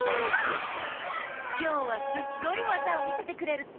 きょうはすっごいわざをみせてくれるって！